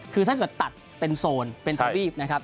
คือถ้าเกิดตัดเป็นโซนเป็นทวีปนะครับ